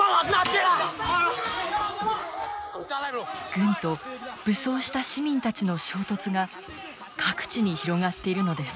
軍と武装した市民たちの衝突が各地に広がっているのです。